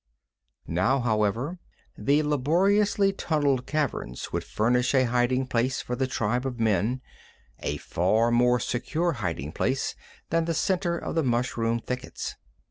Now, however, the laboriously tunneled caverns would furnish a hiding place for the tribe of men, a far more secure hiding place than the center of the mushroom thickets.